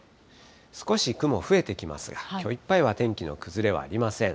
少し雲増えてきますが、きょういっぱいは天気の崩れはありません。